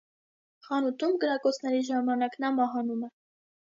Խանութում կրակոցների ժամանակ նա մահանում է։